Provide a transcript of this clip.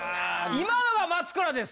今のが松倉です。